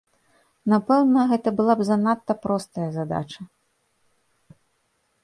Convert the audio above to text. Напэўна, гэта была б занадта простай задачай.